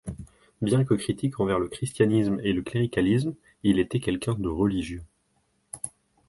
Bien que critique envers le christianisme et le cléricalisme il était quelqu'un de religieux.